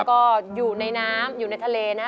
ก็อยู่ในน้ำอยู่ในทะเลนะ